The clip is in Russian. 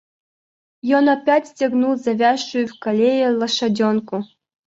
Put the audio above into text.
И он опять стегнул завязшую в колее лошаденку.